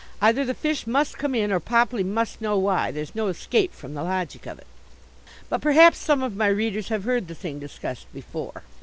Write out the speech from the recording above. Either the fish must come in or Popley must know why. There's no escape from the logic of it. But perhaps some of my readers have heard the thing discussed before.